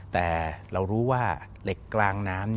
แต่เรารู้ว่าเหล็กกลางน้ำ